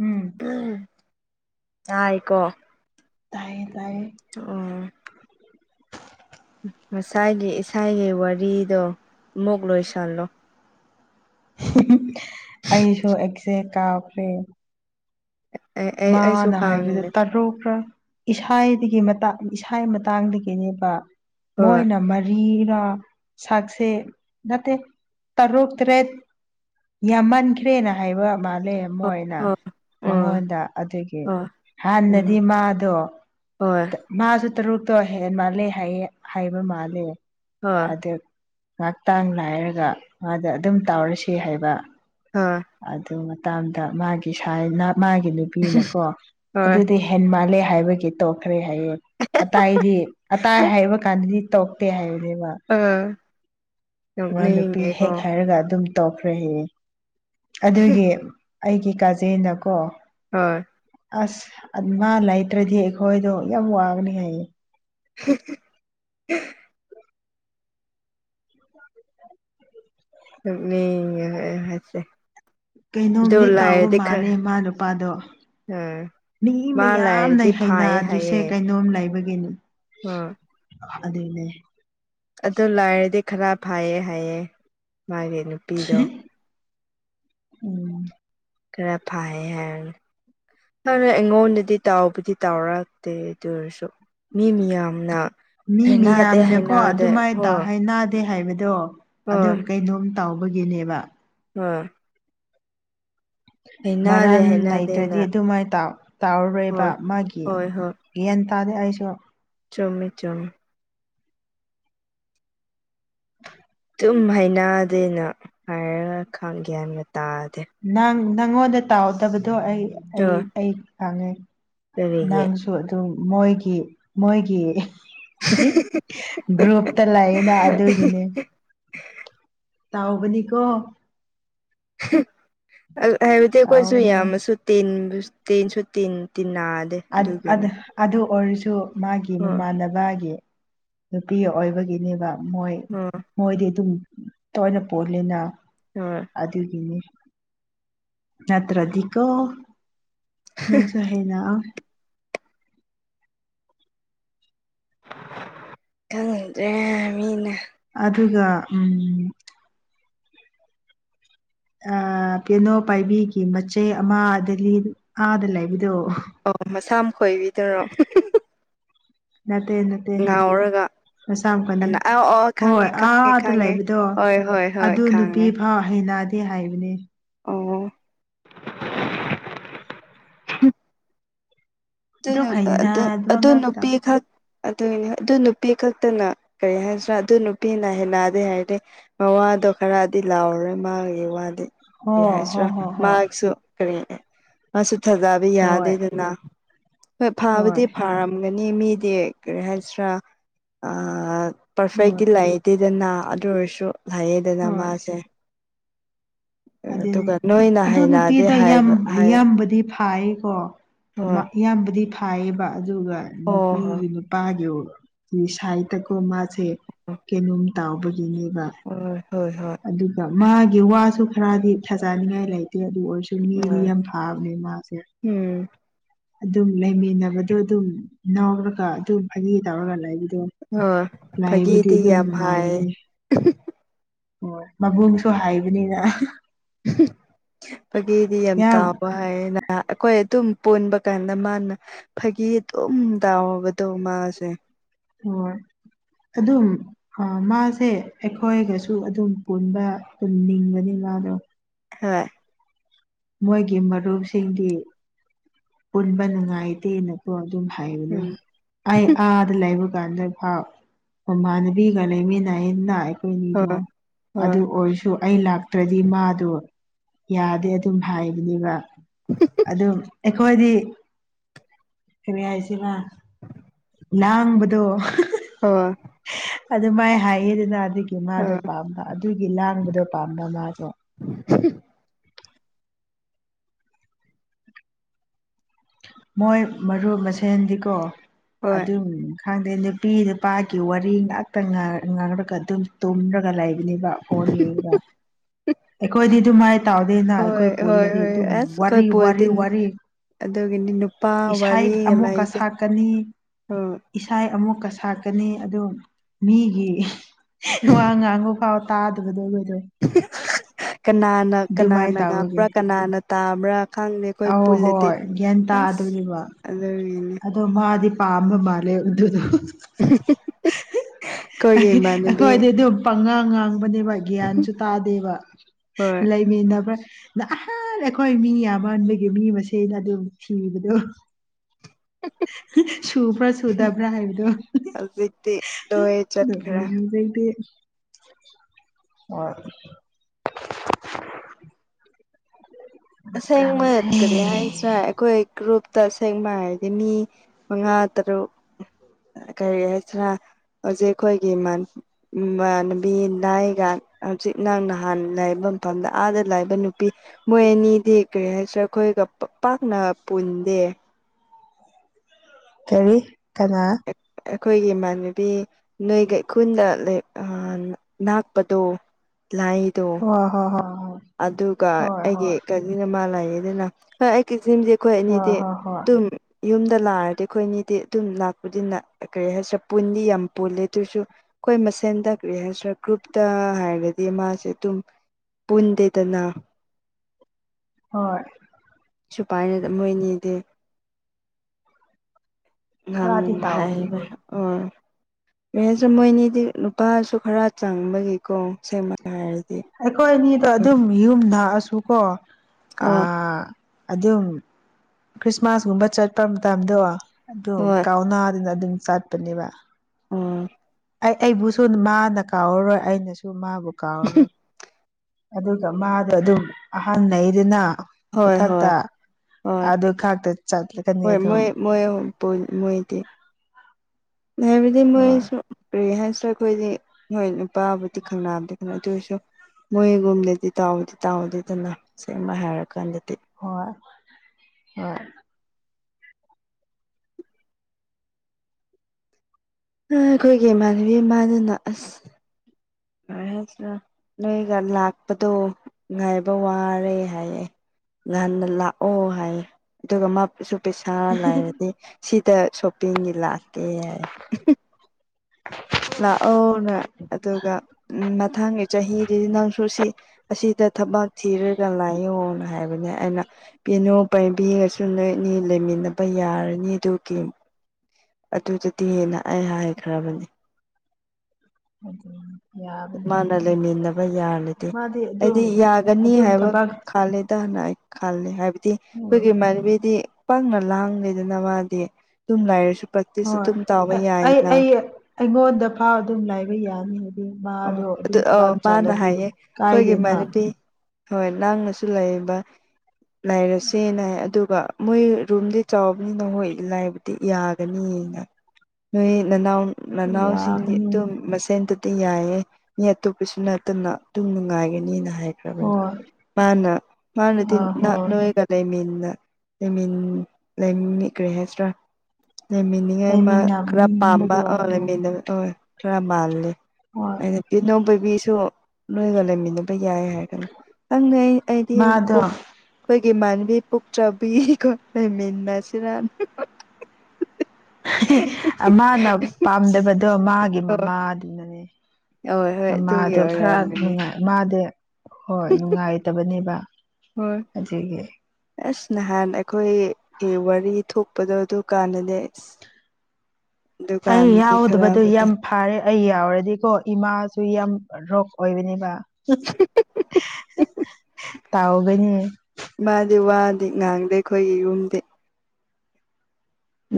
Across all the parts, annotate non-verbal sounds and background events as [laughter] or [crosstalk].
ꯎꯝ ꯎꯝꯥꯏꯀꯣ ꯇꯥꯏꯌꯦ ꯇꯥꯏꯌꯦ ꯑꯣ ꯉꯁꯥꯏꯒꯤ ꯏꯁꯥꯒꯤ ꯋꯥꯔꯤꯗꯣ ꯑꯃꯨꯛ ꯂꯣꯏꯁꯤꯜꯂꯣ ꯑꯩꯁꯨ ꯑꯦꯛꯖꯦꯛ ꯀꯥꯎꯈ꯭ꯔꯦ ꯑꯩ ꯑꯩ ꯑꯩꯁꯨ ꯃꯥꯅ ꯍꯥꯏꯕꯗ ꯈꯪꯉꯦ ꯇꯔꯨ ꯈ꯭ꯔꯥ ꯏꯁꯥꯏꯗꯒꯤ ꯃꯇ ꯏꯁꯥ ꯃꯇꯥꯡꯗꯒꯤꯅꯦꯕ ꯍꯣꯏ ꯃꯣꯏꯅ ꯔꯤꯔꯥ ꯁꯛꯁꯦ ꯅꯠꯇꯦ ꯇꯔꯨꯛ ꯇꯔꯦꯠ ꯌꯥꯝ ꯃꯟꯈ꯭ꯔꯦꯅ ꯍꯥꯏꯕ ꯃꯥꯜꯂꯦ ꯃꯣꯏꯅ ꯍꯣꯏ ꯑꯣ ꯃꯉꯣꯟꯗ ꯑꯗꯨꯒꯤ ꯍꯣꯏ ꯎꯝ ꯍꯥꯟꯅꯗꯤ ꯃꯥꯗꯣ ꯍꯣꯏ ꯃꯥꯁꯨ ꯇꯔꯨꯛꯇꯣ ꯍꯦꯟ ꯃꯥꯜꯂꯦ ꯍꯥꯏ ꯍꯥꯏꯕ ꯃꯥꯜꯂꯦ ꯍꯣꯏ ꯑꯗꯨ ꯉꯥꯏꯍꯥꯛꯇꯥꯡ ꯂꯥꯏꯔꯒ ꯃꯥꯗ ꯑꯗꯨꯝ ꯇꯥꯎꯔꯁꯤ ꯍꯥꯏꯕ ꯍꯣꯏ ꯑꯗꯨ ꯃꯇꯗ ꯃꯥꯒꯤ ꯃꯥꯒꯤ ꯅꯨꯄꯤꯅꯀꯣ ꯍꯣꯏ ꯑꯗꯨꯗꯤ ꯍꯦꯟ ꯃꯥꯜꯂꯦ ꯍꯥꯏꯕꯒꯤ ꯇꯣꯛꯈ꯭ꯔꯦ ꯍꯥꯏꯌꯦ ꯑꯇꯥꯏꯗꯤ ꯑꯇꯥꯏ ꯍꯥꯏꯕ ꯀꯥꯟꯗꯗꯤ ꯇꯣꯛꯇꯦ ꯍꯥꯏꯕꯅꯦꯕ ꯑ ꯏ ꯅꯨꯄꯤ ꯅꯣꯛꯅꯤꯡꯉꯦꯀꯣ ꯍꯦꯛ ꯍꯥꯏꯔꯒ ꯑꯗꯨꯝ ꯇꯧꯈ꯭ꯔꯍꯦ ꯑꯗꯨꯒꯤ ꯑꯩꯒꯤ ꯀꯥꯖꯦꯅꯀꯣ ꯍꯣꯏ ꯑꯁ ꯃꯥ ꯂꯩꯇ꯭ꯔꯗꯤ ꯑꯩꯈꯣꯏꯗꯣ ꯌꯥꯝ ꯋꯥꯕꯅꯤ ꯍꯥꯏꯌꯦꯌꯦ ꯎꯝ ꯁꯦ ꯀꯩꯅꯣꯝꯗꯤ ꯇꯥꯎꯕ ꯃꯥꯜꯂꯦ ꯃꯥ ꯅꯨꯨꯄꯥꯗꯣ ꯑꯥ ꯃꯤ ꯃꯥ ꯃꯌꯥꯝꯅ ꯂꯩꯔꯗꯤ ꯐꯥꯏꯌꯦ ꯍꯩꯅꯗ꯭ꯔꯤꯁꯦ ꯀꯩꯅꯣꯝ ꯂꯩꯕꯒꯤꯅꯤ ꯎꯝ ꯑꯗꯦꯗꯦ ꯑꯗꯨ ꯂꯥꯏꯔꯗꯤ ꯈꯔ ꯐꯥꯏꯌꯦ ꯍꯥꯏꯌꯦ ꯃꯥꯒꯤ ꯅꯨ ꯁꯤ ꯎꯝ ꯈꯔ ꯐ ꯍꯥꯏ ꯁꯥꯔ ꯑꯩꯉꯣꯟꯗꯗꯤ ꯇꯥꯎꯕꯨꯗꯤ ꯇꯥꯎꯔꯛꯇꯦ ꯑꯗꯨ ꯑꯣꯏꯔꯁꯨ ꯃꯤ ꯃꯤꯌꯥꯝꯅ ꯃꯤ ꯃꯤꯌꯥꯝꯅꯀꯣ ꯑꯗꯨꯃꯥꯏꯅ ꯇꯧ ꯍꯥꯏꯅ ꯐꯠꯇꯦ ꯍꯥꯏꯕꯗꯣ ꯍꯣꯏ ꯑꯗꯨꯝ ꯀꯩꯅꯣꯝ ꯇꯥꯎꯕꯒꯤꯅꯦꯕ ꯑꯝ ꯍꯩꯅꯗꯦ ꯃꯔꯜ ꯂꯩꯇ꯭ꯔꯗꯤ ꯍꯩꯅꯗꯦꯅ ꯑꯗꯨꯃꯥꯏꯅ ꯇꯥꯎꯔꯣꯏꯕ ꯍꯣꯏ ꯃꯥꯒꯤ ꯍꯣꯏ ꯌꯦꯟ ꯇꯥꯗꯦ ꯑꯩꯁꯨ ꯆꯨꯝꯃꯦ ꯆꯨꯝꯃꯦ ꯇꯨꯝ ꯍꯩꯅꯗꯦꯅ ꯍꯥꯏꯔꯒ ꯈꯪꯒꯦꯟꯒ ꯇꯥꯗꯦ ꯅꯪ ꯅꯪꯉꯣꯟꯗ ꯇꯥꯎꯗꯕꯗꯣ ꯑꯩ ꯑ ꯑꯩ ꯑꯩ ꯈꯪꯉꯦ ꯀꯔꯤꯒꯤ ꯅꯪꯁꯨ ꯑꯗꯨꯝ ꯃꯣꯏꯒꯤ ꯃꯣꯏꯒꯤ ꯒ꯭ꯔꯨꯞꯇ ꯂꯥꯛꯏꯅ ꯑꯗꯨꯒꯤꯅꯦ ꯇꯥꯎꯕꯅꯤꯀꯣ ꯍꯥꯏꯕꯗꯤ ꯑꯩꯈꯣꯏꯁꯨ ꯇꯥꯎꯕꯅꯦ ꯌꯥꯝꯃꯁꯨ ꯇ ꯇꯦꯟꯁꯨ ꯇ ꯇꯤꯟꯟꯅꯗꯦ ꯑꯗꯨ ꯑꯣꯏꯔꯁꯨ ꯃꯥꯒꯤ ꯍꯣꯏ ꯃꯃꯥꯟꯅꯕ ꯏꯕꯥꯒꯤ ꯅꯨꯄꯤ ꯑꯣꯏꯕꯒꯤꯅꯦꯕ ꯃꯣꯏ ꯍꯣꯏ ꯃꯣꯏꯗꯤ ꯑꯗꯨꯝ ꯇꯅ ꯄꯣꯂꯅ ꯍ ꯑꯗꯨꯒꯤꯅꯤ ꯅꯠꯇ꯭ꯔꯙꯀꯣ ꯅꯪ ꯁ ꯍꯦꯅ ꯈꯪꯗ꯭ꯔꯦ ꯃꯤꯅꯦ ꯑꯗꯨꯒ ꯎꯝ ꯑ ꯄꯦꯅꯣ ꯄꯥꯏꯕꯤꯒꯤ ꯃꯆꯦ ꯑꯃ ꯑꯥꯗ ꯂꯩꯕꯗꯣ ꯑꯣ ꯃꯁꯥ ꯑꯃ ꯈꯣꯏꯕꯤꯗꯅꯣ ꯅꯠꯇ ꯅꯥꯎꯔꯒ ꯃꯆꯥꯃꯛꯨꯄꯥꯅꯦ ꯍꯣꯏ ꯈꯪꯉꯦ ꯑꯥꯗ ꯈꯪꯉꯦ ꯂꯩꯕꯗꯣ ꯍꯣꯏ ꯍꯣꯏ ꯍꯣꯏ ꯑꯗꯨ ꯅꯨꯄꯤ ꯈꯪꯉꯦ ꯐꯥꯎ ꯍꯩꯅ ꯁꯤ ꯍꯥꯏꯕꯅꯦ ꯑꯣ ꯑꯗꯨꯝ ꯑꯗꯨ ꯍꯩꯅꯗꯕ ꯑꯗꯨ ꯉꯥꯛꯇ ꯅꯨꯄꯤ ꯈꯛ ꯑꯗꯨꯅꯦ ꯑꯗꯨ ꯅꯨꯄꯤ ꯈꯛꯇꯅ ꯀꯔꯤ ꯍꯥꯏꯗ꯭ꯔꯥ ꯑꯗꯨ ꯅꯨꯄꯤꯅ ꯍꯦꯟꯅꯗꯦ ꯍꯥꯏꯔꯔꯦ ꯃꯋꯥꯗꯣ ꯈꯔꯗꯤ ꯂꯥꯎꯔꯣꯏ ꯃꯥꯒꯤ ꯋꯥꯗꯤ ꯍꯣ ꯀꯔꯤ ꯍꯣ ꯍꯥꯏꯁꯤꯔꯥ ꯍꯣ ꯍꯣꯏ ꯃꯍꯥꯛꯁꯨ ꯀꯔꯤ ꯃꯥꯁꯨ ꯊꯥꯖꯕ ꯍꯣꯏ ꯌꯥꯗꯦꯗꯅ ꯍꯣꯏ ꯐꯥꯕꯨꯗꯤ ꯐꯥꯔꯝꯒꯅꯤ ꯃꯤꯗꯤ ꯀꯔꯤ ꯍꯥꯏꯁꯤꯔꯥ ꯑ ꯍꯣꯏ ꯄꯔꯐꯦꯛꯂꯤ ꯂꯩꯇꯦꯗꯅ ꯑꯗꯨ ꯑꯣꯏꯔꯁꯨ ꯂꯩꯑꯗꯅ ꯍꯣꯏ ꯃꯥꯁꯦ ꯑꯗꯨꯅꯦ ꯑꯗꯨꯒ ꯅꯣꯏꯅ ꯑꯗꯨ ꯍꯩꯅꯗꯦ ꯅꯨꯄꯤꯗꯣ ꯌꯥꯝ ꯍꯥꯏꯕ ꯍꯥꯏ ꯏꯌꯥꯝꯕꯗꯤ ꯐꯀꯣ ꯍꯣꯏ ꯏꯌꯥꯝꯕꯗꯤ ꯐꯥꯏꯌꯦꯕ ꯑꯗꯨꯒ ꯑꯣ ꯍꯣꯏ ꯅꯨꯄꯤꯒꯤ ꯅꯨꯄꯥꯒꯤ ꯁꯥꯏꯠ ꯀꯣ ꯃꯥꯁꯦ ꯀꯩꯅꯣꯝ ꯇꯥꯎꯕꯒꯤꯅꯦꯕ ꯍ ꯍꯣꯏ ꯍꯣꯏ ꯑꯗꯨꯒ ꯃꯥꯒꯤ ꯋꯥꯁꯨ ꯈꯔꯗꯤ ꯊꯥꯖꯅꯤꯡꯉꯥꯏ ꯂꯩꯇꯦ ꯑꯗꯨ ꯑꯣꯏꯔꯁꯨ ꯃꯤꯗꯤ ꯍꯣꯏ ꯌꯥꯝ ꯐꯥꯕꯅꯦ ꯃꯥꯁꯦ ꯎꯝ ꯑꯗꯨꯝ ꯂꯩꯃꯤꯟꯅꯕꯗꯣ ꯑꯗꯨꯝ ꯎꯔꯒ ꯑꯗꯨꯝ ꯐꯒꯤꯦ ꯇꯧꯔꯒ ꯂꯥꯏꯕꯗꯣ ꯍꯣꯏ ꯂꯥꯏꯕꯔꯤ ꯐꯥꯒꯤꯗꯤ ꯑꯗꯨꯝ ꯌꯥꯝ ꯍꯥꯏ ꯂꯥꯏꯕꯔꯤ ꯑꯣ ꯃꯕꯨꯡꯁꯨ ꯍꯥꯏꯕꯅꯤꯅ ꯐꯥꯒꯤꯦꯗꯤ ꯌꯥꯝ ꯇꯥꯎꯕ ꯍꯥꯏꯅ ꯑꯩꯈꯣꯏ ꯑꯗꯨꯝ ꯄꯨꯣꯟꯕ ꯀꯥꯟꯗ ꯃꯥꯅ ꯐꯥꯒꯤ ꯑꯗꯨꯝ ꯇꯗꯥꯕꯗꯣ ꯃꯥꯁꯦ ꯑꯣ ꯑꯗꯨꯝ ꯑ ꯃꯥꯁꯦ ꯑꯩꯈꯣꯏꯒꯁꯨ ꯑꯗꯨꯝ ꯄꯨꯟꯕ ꯑꯗꯨꯝ ꯅꯤꯡꯕꯅꯤ ꯃꯥꯗꯣ ꯍꯝ ꯃꯣꯏꯒꯤ ꯃꯔꯨꯞꯁꯤꯡꯗꯤ ꯄꯨꯟꯕ ꯅꯨꯡꯉꯥꯏꯇꯦꯅ ꯍ ꯑꯗꯨꯝ ꯍꯥꯏꯕꯅꯦ ꯎꯝ ꯑꯩ ꯑꯥꯗ ꯂꯩꯕ ꯀꯥꯟꯗ ꯐꯥꯎ ꯃꯃꯥꯟꯅꯕꯤꯒ ꯂꯩꯃꯤꯅ ꯑꯩꯅ ꯑꯩꯈꯣꯏꯅꯤꯗꯣ ꯍꯣꯏ ꯍꯣꯏ ꯑꯗꯨ ꯑꯣꯏꯔꯁꯨ ꯑꯩ ꯂꯥꯛꯇ꯭ꯔꯗꯤ ꯃꯥꯗꯣ ꯌꯥꯗꯦ ꯑꯗꯨꯝ ꯍꯥꯏꯕꯅꯦꯕ ꯑꯗꯨꯝ ꯑꯩꯈꯣꯏꯗꯤ ꯐꯔꯤ ꯍꯥꯏꯁꯤꯅ ꯂꯥꯡꯕꯗꯣ ꯍ ꯑꯗꯨꯃꯥꯏ ꯍꯥꯏꯌꯦꯗꯅ ꯑꯗꯨꯒꯤ ꯃꯥꯗꯣ ꯍꯣꯏ ꯄꯥꯝꯕ ꯑꯗꯨꯒꯤ ꯂꯥꯡꯕꯗꯣ ꯄꯥꯝꯕ ꯃꯥꯗꯣ ꯃꯣꯏ ꯃꯔꯨ ꯃꯁꯦꯟꯗꯤꯀꯣ ꯍꯣꯏ ꯑꯗꯨꯝꯅꯤ ꯈꯪꯗꯦ ꯅꯨꯄꯤ ꯅꯨꯄꯥꯒꯤ ꯋꯥꯔꯤ ꯉꯥꯛꯇ ꯉꯥꯡꯔꯒ ꯑꯗꯨꯝ ꯇꯨꯝꯔꯒ ꯂꯩꯕ ꯄꯤꯅꯤꯕ ꯐꯣꯟ ꯌꯕ ꯑꯩꯈꯣꯏꯗꯤ ꯑꯗꯨꯃꯥꯏ ꯇꯥꯎꯗꯦꯅ ꯍꯣꯏ ꯑꯩꯈꯣꯏ ꯍꯣꯏ ꯄꯨꯜꯂꯗꯤ ꯍꯣꯏ ꯑꯗꯨꯝ ꯑꯁ ꯑꯩꯈꯣꯏ ꯋꯥꯔꯤ ꯋꯥꯔꯤ ꯄꯣꯜꯗꯤ ꯋꯥꯔꯤ ꯑꯗꯨꯒꯤꯅꯤ ꯅꯨꯄꯥ ꯏꯁꯥꯏ ꯋꯥꯔꯤꯒ ꯑꯃꯨꯛꯀ ꯂꯩꯇꯦ ꯁꯥꯛꯀꯅꯤ ꯍꯣꯏ ꯏꯁꯥꯏ ꯑꯃꯨꯛꯀ ꯁꯥꯛꯀꯅꯤ ꯑꯗꯨ ꯃꯤꯒꯤ ꯋꯥ ꯉꯥꯡꯕ ꯐꯥꯎ ꯇꯥꯒꯣꯒꯗꯣ ꯎ ꯀꯅꯥꯅ ꯀꯅꯥꯅ ꯉꯥꯡꯕ꯭ꯔꯥ ꯀꯅꯥꯅ ꯇꯥꯕ꯭ꯔꯥ ꯈꯪꯗꯦ ꯑꯩꯈꯣꯏ ꯑ ꯍꯣꯏ ꯒ꯭ꯌꯥꯟ ꯇꯥꯗꯣꯔꯤꯕ ꯑꯗꯨꯗ ꯑꯗꯣ ꯃꯥꯗꯤ ꯄꯥꯝꯕ ꯃꯥꯜꯂꯦ ꯑꯗꯨꯗꯣ [inaudible] ꯑꯩꯈꯣꯏꯒꯤ ꯏꯃꯥꯟꯅꯕꯤ ꯑꯩꯈꯣꯏꯗꯤ ꯑꯗꯨꯝ ꯄꯉꯥꯡ ꯉꯥꯡꯕꯅꯦꯕ ꯒ꯭ꯌꯥꯟꯁꯨ ꯇꯥꯗꯦꯕ ꯍꯣꯏ ꯟꯅꯕ꯭ꯔꯥ ꯅꯍꯥꯟ ꯑꯩꯈꯣꯏ ꯃꯤ ꯌꯥꯝꯕ ꯍꯟꯕꯒꯤ ꯃꯤ ꯃꯁꯤꯡꯁꯩꯅ ꯑꯗꯨꯝ ꯊꯤꯕꯗꯣ [inaudible] ꯁꯨ ꯐ꯭ꯔ ꯁꯨꯗ ꯐ꯭ꯔ ꯍꯥꯏꯗ ꯍꯧꯖꯤꯛꯇꯤ ꯂꯣꯏ ꯆꯠꯈ꯭ꯔꯦ ꯗꯤ [inaudible] ꯑꯣ ꯑꯁꯦꯡꯕ ꯃꯇꯝꯁꯦ ꯀꯔꯤ ꯍꯥꯏꯁꯤꯔꯦ ꯑꯩꯈꯣꯏ ꯒ꯭ꯔꯨꯞ ꯇꯁꯦꯡꯕ ꯍꯥꯏꯗꯤ ꯃꯤ ꯃꯉꯥ ꯇꯔꯨꯛ ꯀꯔꯤ ꯍꯥꯏꯁꯤꯔ ꯍꯧꯖꯤꯛ ꯑꯩꯈꯣꯏꯒꯤ ꯅꯨꯄꯤ ꯂꯅꯥꯏꯒ ꯍꯧꯖꯤꯛ ꯅꯪ ꯅꯍꯥꯟ ꯂꯕ ꯃꯐꯝꯗ ꯑꯥꯗ ꯂꯥꯛꯕ ꯅꯨꯄꯤ ꯃꯣꯏ ꯑꯅꯤꯗꯤ ꯀꯔꯤ ꯍꯥꯏꯁꯤꯔꯦ ꯑꯩꯈꯣꯏꯒ ꯄꯥꯛꯅ ꯄꯨꯟꯗꯦ ꯀꯔꯤ ꯀꯅꯥ ꯑꯩꯈꯣꯏꯒꯤ ꯏꯃꯥꯟꯅꯕꯤ ꯅꯣꯏꯒ ꯏ ꯈꯨꯨꯟꯗ ꯉꯅꯥꯥꯛꯄꯗꯣ ꯂ ꯇꯣ ꯍ ꯍꯣꯏ ꯍ ꯑꯗꯨꯒ ꯑꯩꯒꯤ ꯀꯖꯤꯅ ꯃꯥ ꯂꯩꯔꯤꯗꯅ ꯍꯣꯏ ꯑꯩ ꯀꯦꯖꯤꯝꯗꯤꯦ ꯑꯩꯣꯏ ꯍꯣꯏ ꯑꯅꯤꯗꯤ ꯍꯣꯏ ꯍꯣꯏ ꯍꯣꯏ ꯑꯗꯨꯝ ꯌꯨꯝꯗ ꯂꯥꯛꯑꯗꯤ ꯑꯩꯈꯣꯏꯅꯤꯗꯤ ꯑꯗꯨꯝ ꯂꯥꯛꯄꯗꯤꯅ ꯀꯔꯤ ꯍꯥꯏꯁꯦ ꯄꯨꯟꯗꯤ ꯌꯥꯝ ꯄꯨꯂꯦ ꯑꯗꯨꯔꯁꯨ ꯑꯩꯈꯣꯏ ꯃꯁꯦꯟꯗꯈ꯭ꯔꯦ ꯍꯥꯏꯁꯤꯔꯥ ꯒ꯭ꯔꯨꯞꯇ ꯍꯥꯏꯔꯒꯗꯤ ꯃꯥꯁꯦ ꯑꯗꯨꯝ ꯄꯨꯟꯗꯦꯗꯅ ꯍꯣꯏ ꯁꯨꯄꯥꯏꯅ ꯃꯣꯏꯅꯤꯗꯤ ꯅꯍꯪ ꯈꯔꯗꯤ ꯇꯥꯎꯕꯅꯦ ꯍꯥꯏꯕ ꯍꯣꯏ ꯑꯣ ꯃꯁꯨ ꯃꯣꯏꯅꯤꯗꯤ ꯅꯨꯄꯥꯁꯨ ꯈꯔ ꯆꯪꯕꯒꯤ ꯀꯣ ꯁꯦꯝꯃ ꯍꯥꯏꯔꯗꯤ ꯑꯩꯈꯣꯏ ꯑꯅꯤꯗ ꯑꯗꯨꯝ ꯌꯨꯝ ꯊꯥꯛꯑꯁꯨꯀꯣ ꯑ ꯑꯗꯨꯝ ꯈ꯭ꯔꯤꯁꯃꯥꯁꯀꯨꯝꯕ ꯆꯠꯄ ꯃꯇꯝꯗꯣ ꯑꯗꯣ ꯍꯣꯏ ꯀꯥꯎꯅꯥꯗꯨꯅ ꯑꯗꯨꯝ ꯆꯠꯄꯅꯦꯕ ꯎꯝ ꯑꯩ ꯑꯩꯕꯨꯁꯨ ꯃꯥꯅ ꯀꯥꯎꯔꯔꯣꯏ ꯑꯩꯅꯁꯨ ꯃꯥꯕꯨ ꯀꯥꯎꯔꯔꯣꯏ ꯑꯗꯨꯒ ꯃꯥꯗꯣ ꯑꯗꯨꯝ ꯑꯍꯟꯅꯩꯗꯨꯅ ꯍꯣꯏ ꯃꯊꯛꯇ ꯍꯣꯏ ꯍꯣꯏ ꯑꯗꯨ ꯈꯛꯇ ꯆꯠꯂꯀꯅꯤ ꯍꯣꯏ ꯑꯗꯨꯝ ꯃꯣꯏ ꯃꯣꯏ ꯃꯣꯏꯗꯤ ꯍꯕꯤꯗꯤ ꯍꯣꯏ ꯃꯁꯨ ꯄ꯭ꯔꯦ ꯍꯥꯏꯟꯁꯁꯨ ꯑꯩꯈꯣꯏꯗꯤ ꯅꯣꯏ ꯅꯨꯄꯥꯕꯨꯗꯤ ꯈꯪꯅꯕꯗꯤ ꯈꯪ ꯑꯗꯨꯔꯁꯨ ꯃꯣꯏꯒꯨꯝꯗꯗꯤ ꯇꯥꯎꯕꯗꯤ ꯇꯥꯎꯗꯣꯏꯗꯅ ꯁꯦꯡꯅ ꯍꯥꯏꯔ ꯀꯥꯟꯗꯗꯤ ꯍꯣꯏ ꯍꯣꯏ ꯑꯩꯈꯣꯏꯒꯤ ꯏꯃꯥꯟꯅꯕꯤ ꯏꯃꯥꯟꯅꯅ ꯑꯁ ꯑꯁ ꯅꯣꯏꯒ ꯂꯥꯛꯄꯗꯣ ꯉꯥꯏꯕ ꯋꯥꯔꯦ ꯍꯥꯏꯌꯦꯦ ꯉꯍꯥꯟꯅ ꯂꯥꯛꯑꯣ ꯍꯥꯏ ꯑꯗꯨꯒ ꯃꯥꯁꯨ ꯄꯩꯁꯥ ꯂꯥꯏꯔꯗꯤ ꯁꯤꯗ ꯁꯣꯞꯄꯤꯡꯒꯤ ꯂꯥꯛꯀꯦ ꯍꯥꯏ ꯂꯥꯛꯑꯣꯅꯦ ꯑꯗꯨꯒ ꯎ ꯃꯊꯪꯒꯤ ꯆꯍꯤꯗꯨꯗꯤ ꯅꯪꯁꯨ ꯁꯤ ꯑꯁꯤꯗ ꯊꯕꯛ ꯊꯤꯔꯒ ꯂꯥꯛꯌꯣꯅ ꯍꯥꯏꯕꯅꯤ ꯑꯩꯅ ꯄꯕꯦꯅꯨ ꯄꯥꯝꯕꯤꯒꯁꯨ ꯅꯣꯏꯅꯤ ꯂꯩꯃꯤꯟꯅꯕ ꯌꯥꯔꯅꯤ ꯑꯗꯨꯒꯤ ꯑꯗꯨꯗꯤ ꯍꯦꯟꯅ ꯑꯩ ꯍꯥꯏꯈ꯭ꯔꯕꯅꯤ ꯑꯗꯨ ꯌꯥꯕꯅꯤ ꯃꯥꯅ ꯂꯩꯃꯤꯟꯅꯕ ꯌꯥꯔꯗꯤꯦ ꯑꯩꯗꯤ ꯌꯥꯒꯅꯤ ꯑꯗꯨꯝ ꯍꯥꯏꯕ ꯊꯕꯛ ꯈꯂꯦꯗꯅ ꯑꯩ ꯈꯜꯂꯤꯦ ꯍꯥꯏꯕꯗꯤ ꯍꯣꯏ ꯑꯩꯈꯣꯏꯒꯤ ꯃꯥꯟꯕꯤꯗꯤ ꯄꯪꯅ ꯂꯥꯡꯗꯦꯗꯅ ꯃꯥꯗꯤ ꯑꯗꯨꯝ ꯂꯥꯏꯔꯁꯨ ꯄ꯭ꯔꯦꯛꯇꯤꯁ ꯍꯣꯏ ꯑꯗꯨꯝ ꯇꯥꯕ ꯑꯩ ꯌꯥꯏꯌꯦꯅ ꯑꯩ ꯑꯩꯉꯣꯟꯗ ꯐꯥꯎ ꯑꯗꯨꯝ ꯂꯥꯏꯕ ꯌꯥꯅꯤꯕ ꯑꯗꯨ ꯑꯣ ꯃꯥꯗꯣ ꯑꯗꯨꯝ ꯑꯗꯨ ꯑ ꯊꯕꯥꯛ ꯃꯥꯅ ꯆꯠꯂꯗꯤ ꯍꯥꯏꯌꯦ ꯑꯩꯈꯣꯏꯒꯤ ꯀꯥꯏꯗꯦꯅ ꯏꯃꯥꯟꯅꯕꯤ ꯍꯣꯏ ꯅꯪꯅꯁꯨ ꯂꯩꯌꯦꯕ ꯂꯥꯏꯔꯁꯦꯅ ꯑꯗꯨꯒ ꯃꯣꯏ ꯔꯨꯝꯗꯤ ꯆꯥꯎꯕꯅꯤꯅ ꯍꯣꯏ ꯂꯕ ꯌꯥꯒꯅꯤꯅ ꯅꯣꯏ ꯅꯅꯥꯎ ꯃꯅꯥꯎꯁꯤꯡ ꯌꯥꯒꯅꯤ ꯑꯗꯨ ꯃꯁꯦꯟꯗꯗꯤ ꯌꯥꯏ ꯑꯦ ꯃꯤ ꯑꯇꯣꯞꯄꯁꯨ ꯅꯠꯇꯅ ꯑꯗꯨꯝ ꯅꯨꯡꯉꯥꯏꯒꯅꯤꯅ ꯍꯥꯏꯦ ꯍꯣꯏ ꯃꯥꯅ ꯃꯥꯅꯗꯤ ꯑ ꯅ ꯍꯣꯏ ꯂꯩꯃꯤꯟꯅ ꯂꯩꯃꯤꯟ ꯂꯩꯈ꯭ꯔꯦ ꯍꯥꯏꯁꯤ꯭ꯔꯥ ꯂꯩꯃꯤ ꯉꯃ ꯈꯔ ꯄꯥꯝꯕ ꯂꯩꯃꯤꯟꯅꯕꯗꯣ ꯑ ꯍꯣꯏ ꯑ ꯈꯔ ꯃꯥꯜꯂꯦ ꯍꯣꯏ ꯍꯥꯏꯗꯤ ꯄꯦꯅꯣ ꯕꯦꯕꯤꯁꯨ ꯅꯣꯏꯒ ꯂꯩꯃꯤꯟꯅꯕ ꯌꯥꯏ ꯍꯥꯏꯔꯒꯅ ꯈꯪꯅꯦ ꯑꯩ ꯑꯩꯗꯤ ꯃꯥꯗꯣ ꯑꯩꯈꯣꯏꯒꯤ ꯃꯥꯟꯕꯤ ꯄꯛꯇ꯭ꯔꯕꯤ ꯈꯣꯠ ꯂꯩꯃꯤꯟꯅ ꯑꯁꯤꯅ [inaudible] ꯃꯥꯅ ꯄꯥꯝꯗꯕꯗꯣ ꯃꯥꯒꯤ ꯍꯣꯏ ꯃꯃꯥꯗꯨꯅꯅꯦ ꯍꯣꯏ ꯑꯗꯨꯒꯤ ꯃꯃꯥꯗꯣ ꯈꯔ ꯑꯣꯏꯔꯝꯒꯅꯤ ꯅꯨꯡꯉꯥꯏ ꯃꯥꯗꯤ ꯍꯣꯏ ꯅꯨꯡꯉꯥꯏꯇꯕꯅꯦꯕ ꯍꯣꯏ ꯑꯁꯤꯒꯤ ꯑꯁ ꯅꯍꯥꯟ ꯑꯩꯈꯣꯏꯒꯤ ꯋꯥꯔꯤ ꯊꯣꯛꯄꯗꯣ ꯑꯗꯨ ꯀꯥꯟꯅꯅꯦ ꯑꯁ ꯑꯩ ꯗꯨꯀꯥꯟꯗꯤ ꯈꯔꯕ ꯌꯥꯎꯗꯕꯗꯣ ꯍꯧꯗ ꯌꯥꯝ ꯐꯔꯦ ꯑꯩ ꯌꯥꯎꯔꯗꯤꯀꯣ ꯏꯃꯥꯁꯨ ꯌꯥꯝ ꯔꯣꯛ ꯑꯣꯏꯕꯅꯦꯕ ꯇꯥꯎꯕꯅꯤ ꯃꯥꯗꯤ ꯋꯥꯗꯤ ꯉꯥꯡꯗꯦ ꯑꯩꯈꯣꯏꯒꯤ ꯌꯨꯝꯗꯤ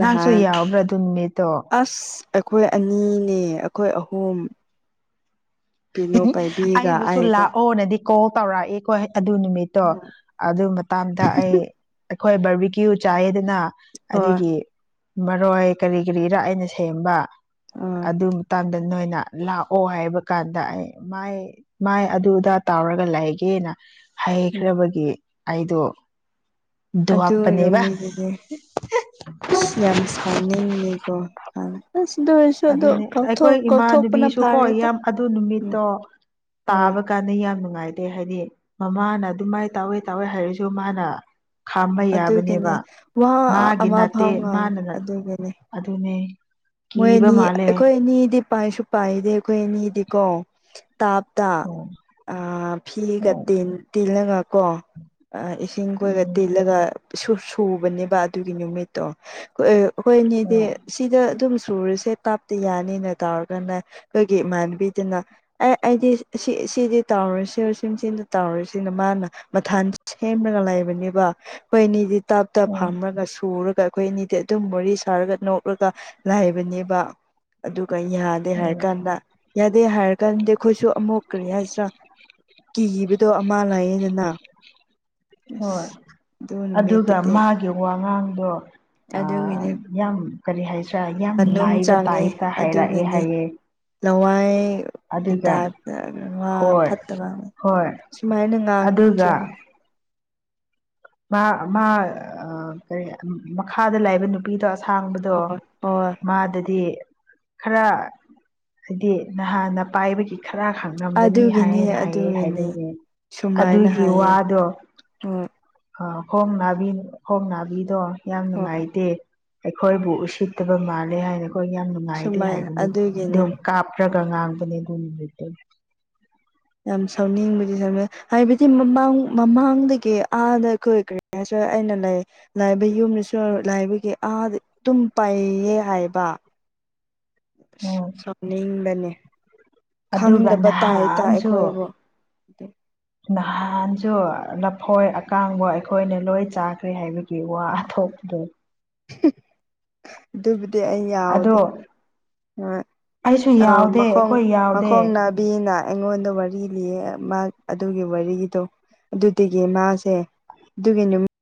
ꯅꯍꯥꯛꯁꯨ ꯌꯥꯎꯕ꯭ꯔꯥ ꯑꯗꯨ ꯅꯨꯃꯤꯠꯇꯣ ꯑꯁ ꯑꯩꯈꯣꯏ ꯑꯅꯤꯅꯦ ꯑꯩꯈꯣꯏ ꯑꯍꯨꯝ ꯀꯩꯅꯣ ꯄꯥꯏꯕꯤꯒ ꯑꯩꯕꯨꯁꯨ ꯑꯩꯒ ꯂꯥꯛꯑꯣꯅꯗꯤ ꯀꯣꯜ ꯇꯧꯔꯛꯏꯦꯀꯣ ꯑꯗꯨ ꯅꯨꯃꯤꯠꯇꯣ ꯑꯗꯨ ꯃꯇꯥꯡꯗ ꯑꯩ ꯑꯩꯈꯣꯏ ꯕꯔꯕꯤ ꯀ꯭ꯌꯨ ꯆꯥꯏꯌꯦꯗꯅ ꯍꯣꯏ ꯑꯗꯨꯒꯤ ꯃꯔꯣꯏ ꯀꯔꯤ ꯀꯔꯤ ꯏꯔꯥꯛ ꯑꯅ ꯁꯦꯝꯕ ꯍꯣꯏ ꯑꯗꯨꯝ ꯃꯇꯝꯗ ꯅꯣꯏꯅ ꯂꯥꯛꯑꯣ ꯍꯥꯏꯕ ꯀꯥꯟꯗ ꯑꯩ ꯃꯥꯏ ꯃꯥꯏ ꯑꯗꯨꯗ ꯇꯥꯎꯔꯒ ꯂꯩꯒꯦꯅ ꯍꯩꯈ꯭ꯔꯕꯒꯤ ꯑꯩꯗꯨ ꯗꯨ ꯑꯗꯨ ꯍꯥꯄꯅꯦꯕ ꯅꯨꯃꯤꯠꯇꯨꯗꯤ ꯑꯁ ꯌꯥꯝ ꯁꯥꯎꯅꯤꯡꯉꯦꯀꯣ ꯍꯅ ꯑꯁ ꯑꯗꯨ ꯑꯣꯏꯔꯁꯨ ꯑꯗꯨꯅꯦ ꯑꯗꯨꯊ ꯑꯩꯈꯣꯏ ꯀꯥꯎꯊꯣꯛꯄꯅ ꯏꯃꯥꯟꯅꯕꯤꯁꯨ ꯀꯣ ꯐꯔꯦꯗ ꯌꯥꯝ ꯑꯗꯨ ꯎ ꯅꯨꯃꯤꯠꯇꯣ ꯎꯝ ꯇꯥꯕ ꯀꯥꯟꯗ ꯌꯥꯝ ꯅꯨꯡꯉꯥꯏꯇꯦ ꯍꯥꯏꯗꯤ ꯃꯃꯥꯅ ꯑꯗꯨꯃꯥꯏꯅ ꯇꯥꯎꯋꯦ ꯇꯥꯎꯋꯦ ꯍꯥꯏꯔꯁꯨ ꯃꯥꯅ ꯈꯥꯝꯕ ꯌꯥꯕꯅꯦꯕ ꯑꯗꯨꯒꯤꯅꯦ ꯋꯥ ꯃꯥꯒꯤ ꯑꯃ ꯅꯠꯇꯦ ꯐꯥꯎ ꯉꯥꯡꯉꯦ ꯃꯥꯅꯦ ꯑꯗꯨꯒꯤꯅꯦ ꯑꯗꯨꯅꯤ ꯃꯣꯏ ꯑꯅꯤ ꯑꯩꯈꯣꯏ ꯑꯅꯤꯗꯤ ꯄꯥꯏꯁꯨ ꯄꯥꯏꯗꯦ ꯑꯩꯈꯣꯏ ꯑꯅꯤꯗꯤꯀꯣ ꯇꯥꯞꯇ ꯑꯣ ꯐꯤꯒ ꯍꯣꯏ ꯇꯦꯜꯂꯒꯀꯣ ꯏꯁꯤꯡ ꯈꯣꯏꯒ ꯎꯝ ꯇꯤꯜꯂꯒ ꯁꯨꯕꯅꯦꯕ ꯑꯗꯨꯒꯤ ꯅꯨꯃꯤꯠꯇꯣ ꯍꯣꯏꯅꯦꯗꯤ ꯍꯣꯏ ꯁꯤꯗ ꯑꯗꯨꯝ ꯁꯨꯔꯤꯁꯦ ꯀꯥꯞꯇ ꯌꯥꯅꯤꯅ ꯇꯧꯔꯒꯅ ꯑꯩꯈꯣꯏꯒꯤ ꯏꯃꯥꯟꯅꯕꯤꯗꯨꯅ ꯑꯦ ꯑꯩꯗꯤ ꯁꯤ ꯁꯤꯗꯤ ꯇꯧꯔ ꯁꯤꯔ ꯁꯤ ꯁꯤꯗ ꯇꯧꯔꯨꯁꯤꯅ ꯃꯥꯅ ꯃꯊꯥꯟ ꯁꯦꯝꯂꯒ ꯂꯩꯕꯅꯦꯕ ꯑꯩꯈꯣꯏ ꯑꯅꯤꯗꯤ ꯇꯥꯞ ꯇꯥꯞ ꯍꯣꯏ ꯐꯝꯔꯒ ꯁꯨꯔꯒ ꯑꯩꯈꯣꯏ ꯑꯅꯤꯗꯤ ꯑꯗꯨꯝ ꯃꯔꯤ ꯁꯥꯔꯒ ꯅꯣꯛꯂꯒ ꯂꯥꯏꯕꯅꯦꯕ ꯑꯗꯨꯒ ꯌꯥꯗꯦ ꯍꯥꯏꯔ ꯍꯣꯏ ꯀꯥꯟꯗ ꯑꯗꯩ ꯍꯥꯏꯔ ꯀꯥꯟꯗꯗꯤ ꯑꯩꯈꯣꯏꯁꯨ ꯑꯃꯨꯛ ꯀꯔꯤ ꯍꯥꯏꯁꯤꯔꯥ ꯀꯤꯈꯤꯕꯗꯣ ꯑꯃ ꯂꯥꯛꯌꯦꯗꯅ ꯍꯣꯏ ꯑꯗꯨ ꯑꯗꯨꯒ ꯃꯥꯒꯤ ꯋꯥꯉꯥꯡꯗꯣ ꯑꯗꯨꯗ ꯏꯗꯤ ꯌꯥꯝ ꯀꯔꯤ ꯍꯥꯏꯁ꯭ꯔꯥ ꯌꯥꯝ ꯂꯥꯏꯕ ꯇꯥꯏꯞꯇ ꯍꯥꯏꯔꯛꯑꯦ ꯍꯥꯏꯌꯦꯦ ꯂꯋꯥꯏ ꯒꯤꯇꯥꯞ ꯋꯥ ꯍꯣꯏ ꯐꯠꯇꯕ ꯍꯣꯏ ꯁꯨꯃꯥꯏꯅ ꯉꯥꯡꯉꯤ ꯑꯗꯨꯒ ꯆꯨꯝ ꯃꯥ ꯃꯥ ꯀꯔꯤ ꯃꯈꯥꯗ ꯂꯥꯛꯏꯕ ꯅꯨ ꯅꯨꯅꯥꯄꯤꯗꯣ ꯑꯁꯥꯡꯕꯗꯣ ꯍꯣꯏ ꯃꯥꯗꯗꯤ ꯈꯔ ꯍꯥꯏꯗꯤ ꯅꯍꯥꯟꯅ ꯄꯥꯏꯕꯒꯤ ꯈꯔ ꯈꯥꯡꯉꯝꯒꯅꯤ ꯑꯗꯨꯒꯤꯅꯤ ꯍꯥꯏꯅ ꯍꯥꯏꯌꯦ ꯑꯗꯨꯒꯤꯅꯤ ꯍꯥꯏꯅꯑꯦ ꯑꯗꯨꯒꯤ ꯋꯥꯗꯣ ꯑꯣ ꯑ ꯈꯣꯡ ꯅꯥꯕꯤ ꯈꯣꯡ ꯅꯥꯕꯤꯗꯣ ꯌꯥꯝ ꯍꯣꯏ ꯅꯨꯡꯉꯥꯏꯇꯦ ꯑꯩꯈꯣꯏꯕꯨ ꯎꯁꯤꯠꯇꯕ ꯃꯥꯜꯂꯦ ꯍꯥꯏꯅ ꯑꯩꯈꯣꯏ ꯌꯥꯝ ꯅꯨꯡꯉꯥꯏꯗꯤꯦ ꯁꯨꯃꯥꯏꯅ ꯍꯥꯏꯕꯅꯤ ꯑꯝ ꯑꯗꯨꯒꯤꯅꯦ ꯀꯥꯞ ꯭ꯔꯒꯒꯅꯤ ꯑꯗꯨꯠꯇꯦ ꯌꯥꯝ ꯁꯥꯎꯅꯤꯡꯕꯗꯤ ꯁꯝꯅ ꯍꯥꯏꯕꯗꯤ ꯃꯃꯥꯡ ꯃꯃꯥꯡꯗꯒꯤ ꯑꯥꯗ ꯑꯩꯈꯣꯏ ꯀꯔꯤ ꯁꯨ ꯑꯩꯅ ꯂꯩ ꯂꯥꯏꯕ ꯌꯨꯝꯗꯁꯨ ꯂꯥꯏꯕꯒꯤ ꯑꯥꯗꯤ ꯑꯗꯨꯝ ꯄꯥꯏꯌꯦ ꯍꯥꯏꯕ ꯎꯝ ꯆꯅꯤꯡꯕꯅꯤ ꯑꯗꯨꯒ ꯈꯪꯗꯕ ꯇꯥꯏꯇꯥ ꯅꯍꯥꯟꯁꯨ ꯑꯩꯈꯣꯏꯕꯨ ꯑꯗꯨ ꯅꯍꯥꯟꯁꯨ ꯂꯐꯣꯏ ꯑꯀꯥꯡꯕ ꯑꯩꯈꯣꯏꯅ ꯂꯣꯏ ꯆꯥꯈ꯭ꯔꯦ ꯍꯥꯏꯕꯒꯤ ꯋꯥ ꯑꯊꯣꯛꯄꯗꯨꯅꯤ ꯑꯗꯨꯕꯨꯗꯤ ꯑꯩ ꯑꯗꯣ ꯌꯥꯎꯗꯦ ꯑꯩꯁꯨ ꯌꯥꯎꯗꯦ ꯃꯈꯣꯡ ꯑꯩꯈꯣꯏ ꯃꯈꯣꯡ ꯌꯥꯎꯗꯦ ꯕꯤꯅ ꯑꯩꯉꯣꯟꯗ ꯋꯥꯔꯤ ꯂꯤꯌꯦ ꯃꯥ ꯑꯗꯨꯒꯤ ꯋꯥꯔꯤꯗꯣ ꯑꯗꯨꯗꯒꯤ ꯃꯥꯁꯦ ꯑꯗꯨꯒꯤ ꯅꯨꯃꯤ